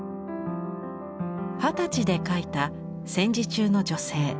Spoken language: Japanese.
二十歳で描いた戦時中の女性。